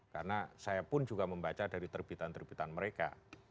karena saya pun juga membaca dari terbitan terbitan mereka